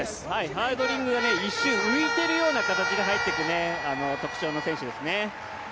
ハードリングが一瞬、浮いているような形で入るのが特徴の選手ですね。